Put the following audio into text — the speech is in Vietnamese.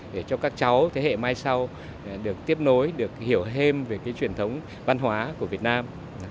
để cho các cháu thế hệ mai sau được tiếp nối được hiểu thêm về cái truyền thống văn hóa của việt nam